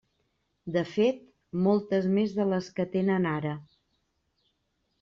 De fet, moltes més de les que tenen ara.